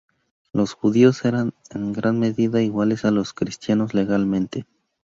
Los judíos eran en gran medida iguales a los cristianos legalmente.